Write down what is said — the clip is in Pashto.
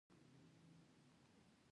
که يوه ناروغي په دارو درمل نه شي ښه.